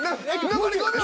残り５秒！